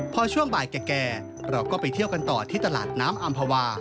พอช่วงบ่ายแก่เราก็ไปเที่ยวกันต่อที่ตลาดน้ำอำภาวา